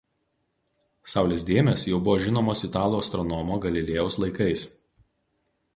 Saulės dėmės jau buvo žinomos italų astronomo Galilėjaus laikais.